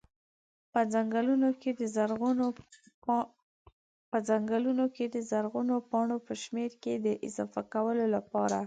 په ځنګلونو کي د زرغونو پاڼو په شمار کي د اضافه کولو لپاره